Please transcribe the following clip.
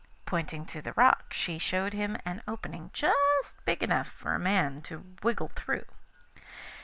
Pointing to the rock, she showed him an opening just big enough for a man to wriggle through.